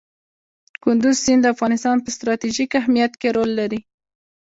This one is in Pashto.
کندز سیند د افغانستان په ستراتیژیک اهمیت کې رول لري.